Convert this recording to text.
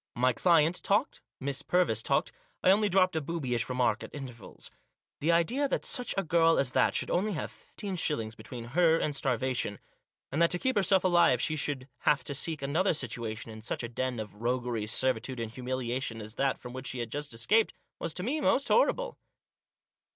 My client talked, Miss Purvis talked, I only dropped a boobyish remark at intervals. The idea that such a girl as that should only have fifteen shillings between her and starvation, and that to keep herself alive she should have to seek another situation in such a den of roguery, servitude, humiliation, as that from which she had just escaped, was to me most horrible.